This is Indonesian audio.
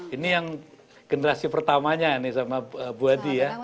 ini yang generasi pertamanya ini sama bu hadi ya